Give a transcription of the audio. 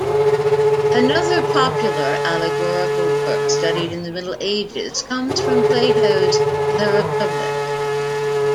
Another popular allegorical work studied in the Middle Ages comes from Plato's "The Republic".